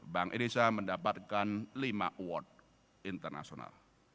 bank indonesia mendapatkan lima award internasional